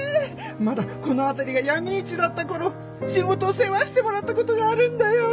まだこの辺りが闇市だった頃仕事を世話してもらったことがあるんだよ。